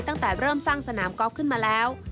ตั้งแต่เริ่มสร้างสนามกอล์ฟขึ้นมาแล้ว